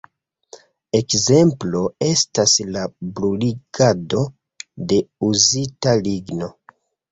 Ekzemplo estas la bruligado de uzita ligno.